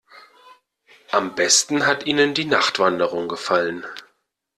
Am besten hat ihnen die Nachtwanderung gefallen.